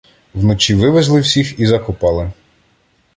Вночі вивезли всіх і закопали.